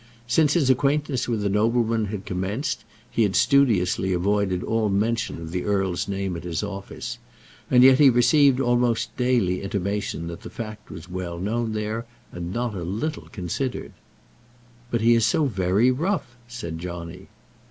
Since his acquaintance with the nobleman had commenced, he had studiously avoided all mention of the earl's name at his office; and yet he received almost daily intimation that the fact was well known there, and not a little considered. "But he is so very rough," said Johnny.